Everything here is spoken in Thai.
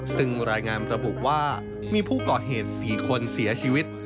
ซึ่งรายงานระบุว่ามีผู้ก่อเหตุ๔คนเสียชีวิต